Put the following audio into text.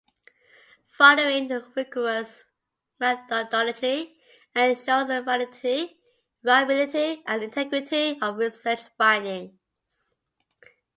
Following a rigorous methodology ensures the validity, reliability, and integrity of research findings.